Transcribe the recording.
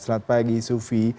selamat pagi sufi